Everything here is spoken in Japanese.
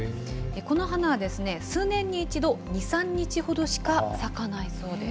この花は数年に１度、２、３日ほどしか咲かないそうです。